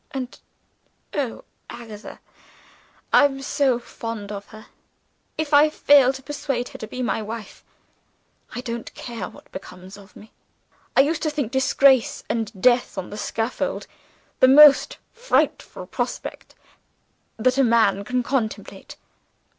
And, oh, Agatha, I am so fond of her! If I fail to persuade her to be my wife, I don't care what becomes of me. I used to think disgrace, and death on the scaffold, the most frightful prospect that a man can contemplate.